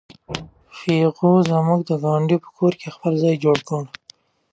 پيغو زموږ د ګاونډي په کور کې خپل ځای جوړ کړی و.